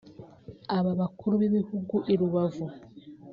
Aba bakuru b’ibihugu i Rubavu